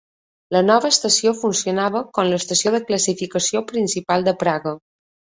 La nova estació funcionava com l'estació de classificació principal de Praga.